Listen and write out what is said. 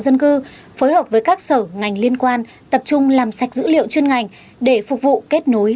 dân cư phối hợp với các sở ngành liên quan tập trung làm sạch dữ liệu chuyên ngành để phục vụ kết nối